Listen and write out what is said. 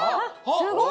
すごい！